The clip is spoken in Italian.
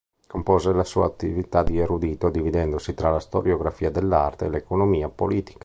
Compose la sua attività di erudito dividendosi tra la storiografia dell'arte e l'economia politica.